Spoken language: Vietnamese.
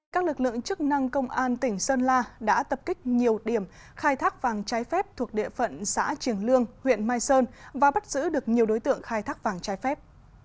các lực lượng chức năng công an tỉnh sơn la đã tập kích nhiều điểm khai thác vàng trái phép thuộc địa phận xã triềng lương huyện mai sơn và bắt giữ được nhiều đối tượng khai thác vàng trái phép